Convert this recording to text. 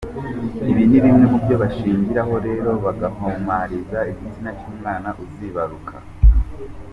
Ibi ni bimwe mu byo bashingiraho rero baguhamiriza igitsina cy’umwana uzibaruka.